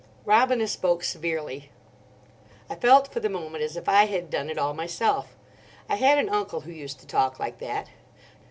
Robina spoke severely. I felt for the moment as if I had done it all myself. I had an uncle who used to talk like that.